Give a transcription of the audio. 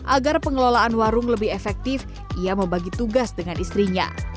agar pengelolaan warung lebih efektif ia membagi tugas dengan istrinya